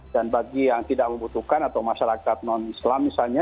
dan bagi yang tidak membutuhkan atau masyarakat non islam misalnya